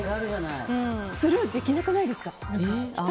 スルーできなくないですか？